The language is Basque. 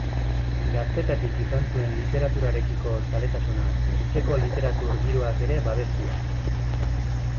Gaztetatik izan zuen literaturarekiko zaletasuna, etxeko literatur giroak ere babestua.